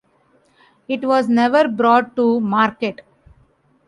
It was never brought to market.